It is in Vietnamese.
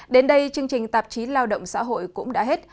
đến đây chương trình tạp chí lao động xã hội cũng đã hết